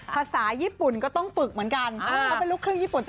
ภาษาญี่ปุ่นก็ต้องปึกเหมือนกัน